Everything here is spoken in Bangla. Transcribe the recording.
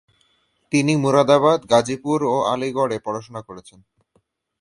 তিনি মুরাদাবাদ, গাজীপুর ও আলিগড়ে পড়াশোনা করেছেন।